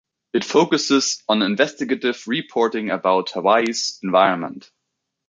It focuses on investigative reporting about Hawaii's environment.